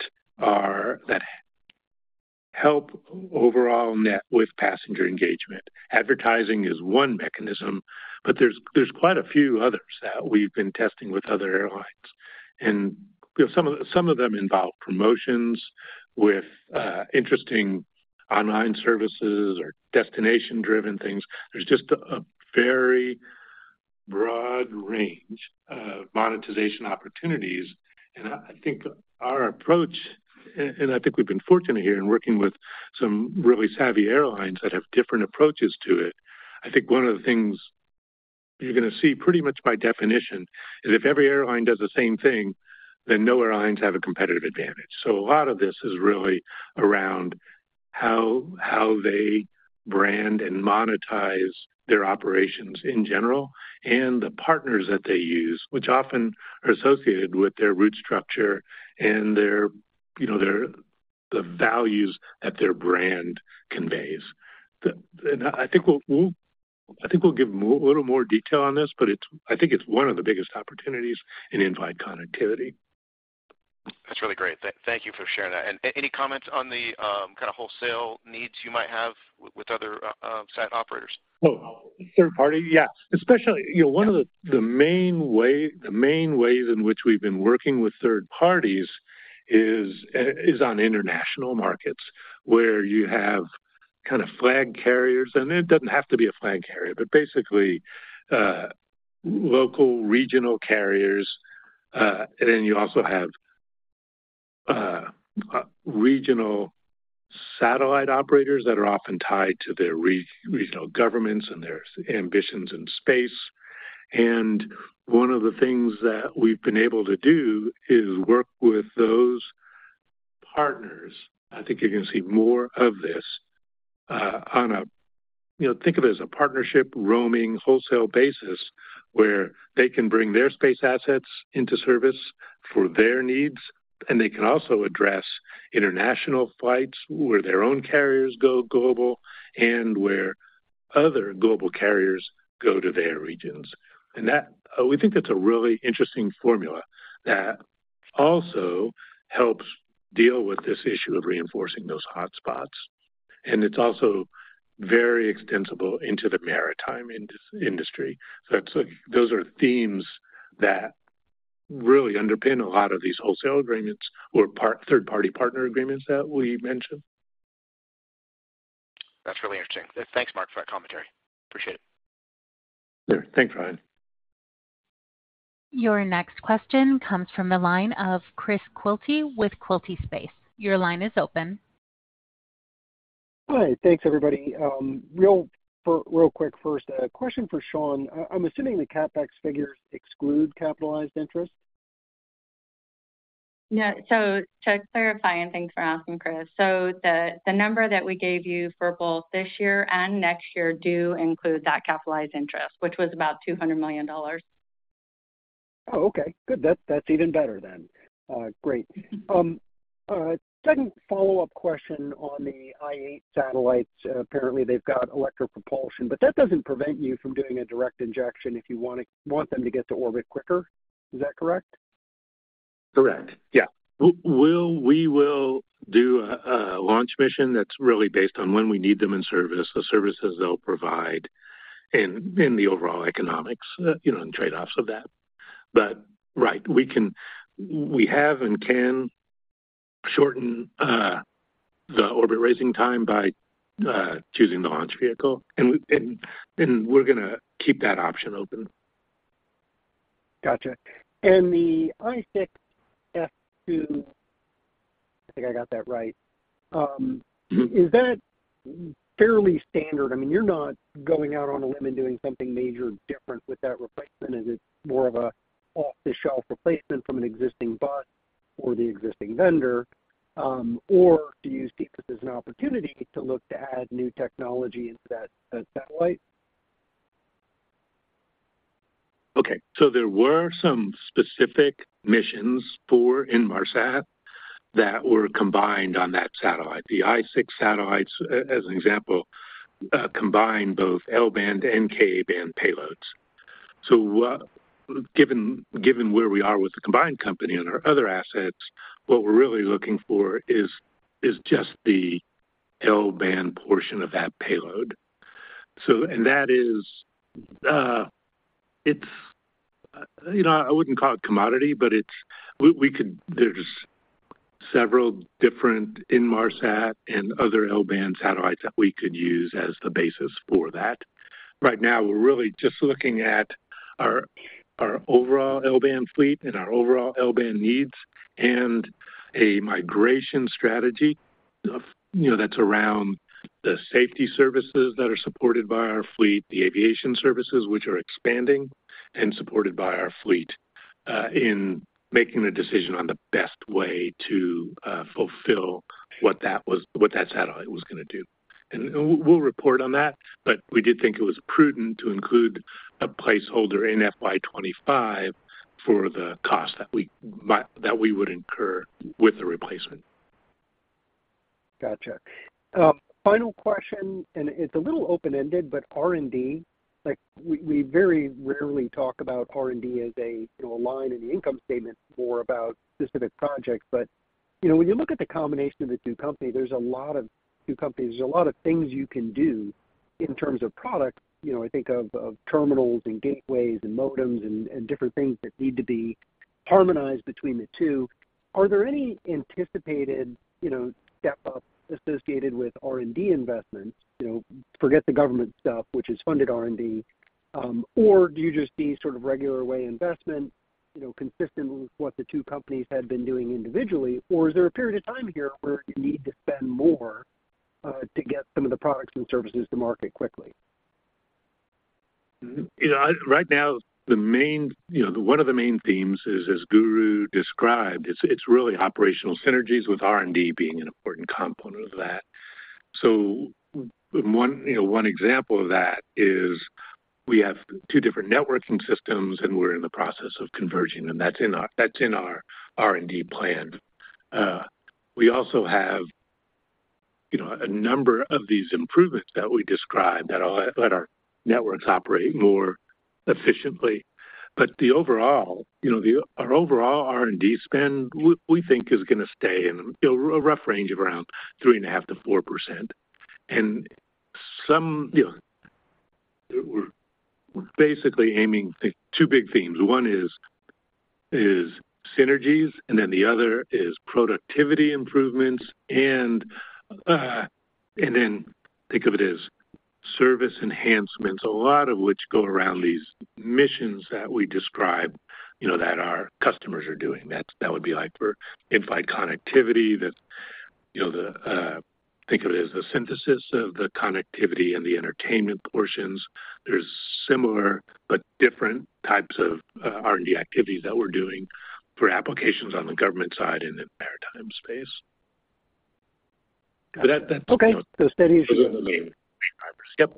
help overall net with passenger engagement. Advertising is one mechanism, but there's quite a few others that we've been testing with other airlines. And, you know, some of them involve promotions with interesting online services or destination-driven things. There's just a very broad range of monetization opportunities, and I think our approach, and I think we've been fortunate here in working with some really savvy airlines that have different approaches to it. I think one of the things-... You're gonna see pretty much by definition, if every airline does the same thing, then no airlines have a competitive advantage. So a lot of this is really around how they brand and monetize their operations in general and the partners that they use, which often are associated with their route structure and their, you know, the values that their brand conveys. And I think we'll give a little more detail on this, but it's. I think it's one of the biggest opportunities in in-flight connectivity. That's really great. Thank you for sharing that. Any comments on the kind of wholesale needs you might have with other sat operators? Oh, third party? Yeah. Especially, you know, one of the, the main way, the main ways in which we've been working with third parties is, is on international markets, where you have kind of flag carriers, and it doesn't have to be a flag carrier, but basically, local regional carriers. And then you also have, regional satellite operators that are often tied to their regional governments and their ambitions in space. And one of the things that we've been able to do is work with those partners. I think you're gonna see more of this, on a... You know, think of it as a partnership, roaming, wholesale basis, where they can bring their space assets into service for their needs, and they can also address international flights where their own carriers go global and where other global carriers go to their regions. And that we think that's a really interesting formula that also helps deal with this issue of reinforcing those hotspots, and it's also very extensible into the maritime industry. So those are themes that really underpin a lot of these wholesale agreements or third-party partner agreements that we mentioned. That's really interesting. Thanks, Mark, for that commentary. Appreciate it. Sure. Thanks, Ryan. Your next question comes from the line of Chris Quilty with Quilty Space. Your line is open. Hi, thanks, everybody. Real quick first, a question for Shawn. I'm assuming the CapEx figures exclude capitalized interest? Yeah, so to clarify, and thanks for asking, Chris. So the number that we gave you for both this year and next year do include that capitalized interest, which was about $200 million. Oh, okay. Good. That's even better than. Second follow-up question on the ViaSat satellites. Apparently, they've got electric propulsion, but that doesn't prevent you from doing a direct injection if you want to get them to orbit quicker. Is that correct? Correct. Yeah. We will do a launch mission that's really based on when we need them in service, the services they'll provide, and the overall economics, you know, and trade-offs of that. But right, we can, we have and can shorten the orbit raising time by choosing the launch vehicle, and we're gonna keep that option open. Gotcha. And the I-6 F2, I think I got that right. Is that fairly standard? I mean, you're not going out on a limb and doing something major different with that replacement. Is it more of a off-the-shelf replacement from an existing bus or the existing vendor, or do you see this as an opportunity to look to add new technology into that, that satellite? Okay, so there were some specific missions for Inmarsat that were combined on that satellite. The I-6 satellites, as an example, combine both L-band and Ka-band payloads. So, given where we are with the combined company and our other assets, what we're really looking for is just the L-band portion of that payload. So, and that is, it's, you know, I wouldn't call it commodity, but it's—we, we could—there's several different Inmarsat and other L-band satellites that we could use as the basis for that. Right now, we're really just looking at our, our overall L-band fleet and our overall L-band needs, and a migration strategy of, you know, that's around the safety services that are supported by our fleet, the aviation services which are expanding and supported by our fleet, in making a decision on the best way to, fulfill what that was, what that satellite was gonna do. And we'll, we'll report on that, but we did think it was prudent to include a placeholder in FY 2025 for the cost that we might, that we would incur with the replacement. Gotcha. Final question, and it's a little open-ended, but R&D, like, we very rarely talk about R&D as a, you know, a line in the income statement, more about specific projects. But, you know, when you look at the combination of the two company, there's a lot of new companies, there's a lot of things you can do in terms of product. You know, I think of terminals and gateways and modems and different things that need to be harmonized between the two. Are there any anticipated, you know, step up associated with R&D investments? You know, forget the government stuff, which is funded R&D, or do you just see sort of regular way investment, you know, consistent with what the two companies had been doing individually? Or is there a period of time here where you need to spend more?... to get some of the products and services to market quickly? You know, right now, one of the main themes is, as Guru described, it's really operational synergies with R&D being an important component of that. So, you know, one example of that is we have two different networking systems, and we're in the process of converging them. That's in our R&D plan. We also have, you know, a number of these improvements that we described that all let our networks operate more efficiently. But the overall, you know, our overall R&D spend, we think is going to stay in, you know, a rough range of around 3.5%-4%. And, you know, we're basically aiming two big themes. One is, is synergies, and then the other is productivity improvements and, and then think of it as service enhancements, a lot of which go around these missions that we describe, you know, that our customers are doing. That's, that would be like for in-flight connectivity, that, you know, the, think of it as the synthesis of the connectivity and the entertainment portions. There's similar but different types of, R&D activities that we're doing for applications on the government side in the maritime space. But that, that- Okay. Yep.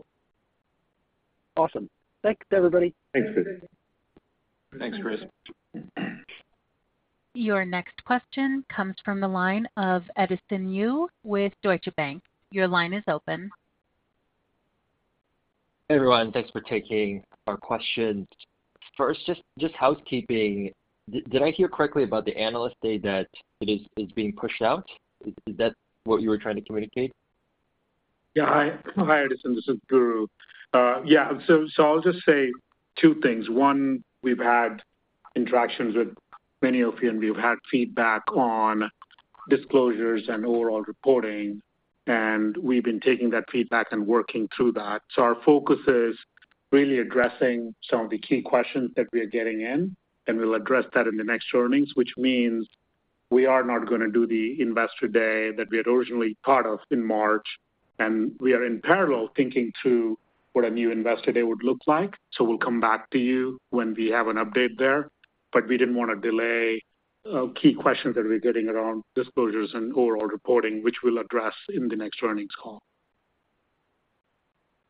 Awesome. Thanks, everybody. Thanks, Chris. Thanks, Chris. Your next question comes from the line of Edison Yu with Deutsche Bank. Your line is open. Hey, everyone. Thanks for taking our questions. First, just housekeeping. Did I hear correctly about the Analyst Day that it is being pushed out? Is that what you were trying to communicate? Yeah. Hi, hi, Edison, this is Guru. Yeah, so, so I'll just say two things. One, we've had interactions with many of you, and we've had feedback on disclosures and overall reporting, and we've been taking that feedback and working through that. So our focus is really addressing some of the key questions that we are getting in, and we'll address that in the next earnings, which means we are not going to do the Investor Day that we had originally thought of in March, and we are in parallel thinking through what a new Investor Day would look like. So we'll come back to you when we have an update there, but we didn't want to delay key questions that we're getting around disclosures and overall reporting, which we'll address in the next earnings call.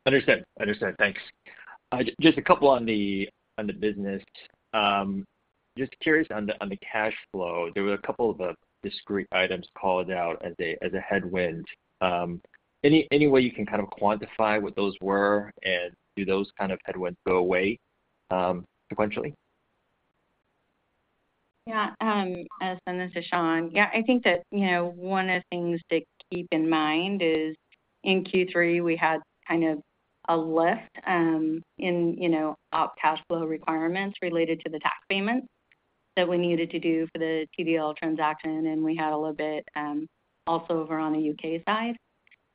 Understand. Understand. Thanks. Just a couple on the, on the business. Just curious on the, on the cash flow, there were a couple of, discrete items called out as a, as a headwind. Any, any way you can kind of quantify what those were, and do those kind of headwinds go away, sequentially? Yeah, Edison, this is Shawn. Yeah, I think that, you know, one of the things to keep in mind is, in Q3, we had kind of a lift in, you know, op cash flow requirements related to the tax payments that we needed to do for the TDL transaction, and we had a little bit also over on the UK side.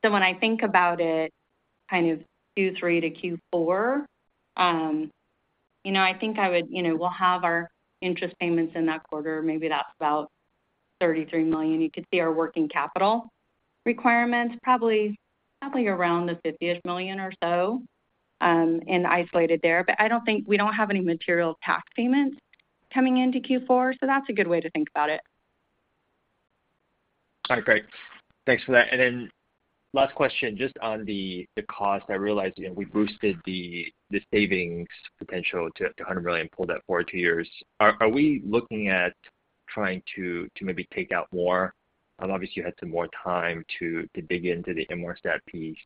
So when I think about it, kind of Q3 to Q4, you know, I think I would... You know, we'll have our interest payments in that quarter. Maybe that's about $33 million. You could see our working capital requirements, probably, probably around the $50-ish million or so, and isolated there. But I don't think we don't have any material tax payments coming into Q4, so that's a good way to think about it. All right, great. Thanks for that. And then last question, just on the cost. I realize, you know, we boosted the savings potential to $100 million and pulled that forward two years. Are we looking at trying to maybe take out more? And obviously, you had some more time to dig into the Inmarsat piece.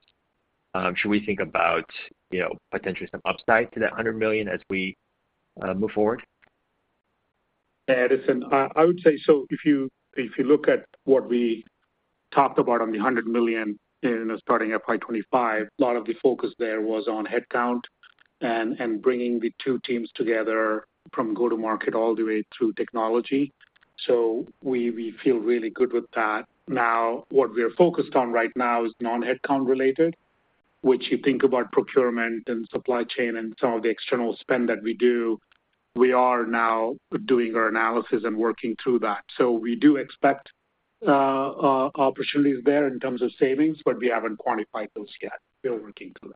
Should we think about, you know, potentially some upside to that $100 million as we move forward? Edison, I would say, so if you look at what we talked about on the $100 million in starting up by 2025, a lot of the focus there was on headcount and bringing the two teams together from go-to-market all the way through technology. So we feel really good with that. Now, what we are focused on right now is non-headcount related, which you think about procurement and supply chain and some of the external spend that we do. We are now doing our analysis and working through that. So we do expect opportunities there in terms of savings, but we haven't quantified those yet. We're working through that.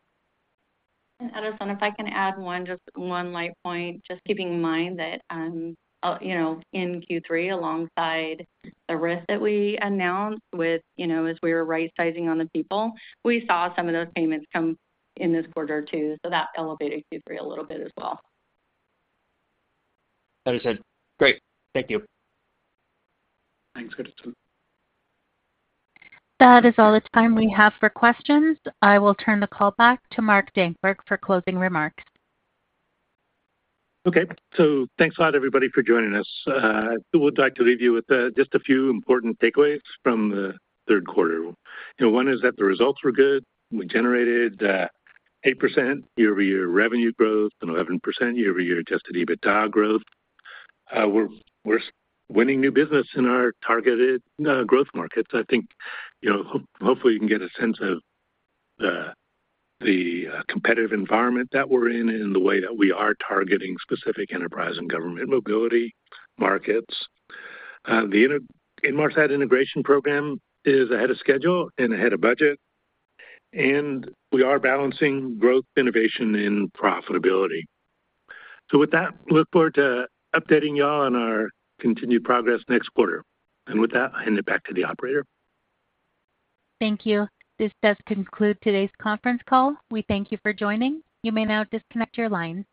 And Edison, if I can add one, just one light point, just keeping in mind that, you know, in Q3, alongside the risk that we announced with, you know, as we were right-sizing on the people, we saw some of those payments come in this quarter, too, so that elevated Q3 a little bit as well. Understood. Great. Thank you. Thanks, Edison. That is all the time we have for questions. I will turn the call back to Mark Dankberg for closing remarks. Okay. So thanks a lot, everybody, for joining us. I would like to leave you with just a few important takeaways from the third quarter. You know, one is that the results were good. We generated 8% year-over-year revenue growth and 11% year-over-year Adjusted EBITDA growth. We're winning new business in our targeted growth markets. I think, you know, hopefully, you can get a sense of the competitive environment that we're in and the way that we are targeting specific enterprise and government mobility markets. The Inmarsat integration program is ahead of schedule and ahead of budget, and we are balancing growth, innovation, and profitability. So with that, we look forward to updating you all on our continued progress next quarter. And with that, I hand it back to the operator. Thank you. This does conclude today's conference call. We thank you for joining. You may now disconnect your lines.